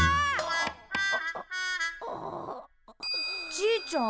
じいちゃん？